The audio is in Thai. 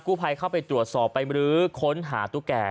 ภัยเข้าไปตรวจสอบไปมรื้อค้นหาตุ๊กแก่